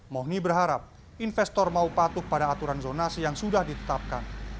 mohni berharap investor mau patuh pada aturan zonasi yang sudah ditetapkan